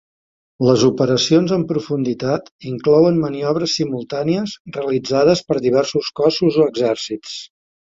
Les operacions en profunditat inclouen maniobres simultànies realitzades per diversos cossos o exèrcits.